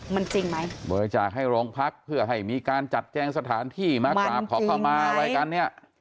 มันจริงไหมบริจาคให้โรงพักเพื่อให้มีการจัดแจงสถานที่มากราบขอเข้ามาอะไรกันเนี่ย